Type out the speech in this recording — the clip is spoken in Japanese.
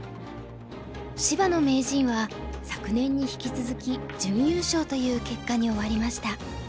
芝野名人は昨年に引き続き準優勝という結果に終わりました。